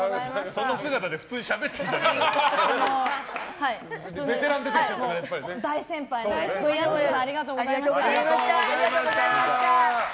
その姿で普通にしゃべってるじゃん。